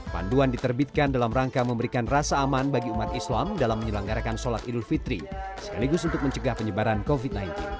panduan diterbitkan dalam rangka memberikan rasa aman bagi umat islam dalam menyelenggarakan sholat idul fitri sekaligus untuk mencegah penyebaran covid sembilan belas